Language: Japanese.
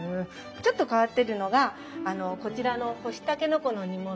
ちょっと変わってるのがこちらの干しタケノコの煮物。